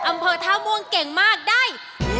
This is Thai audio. อำเภอท่าม่วงเก่งมากได้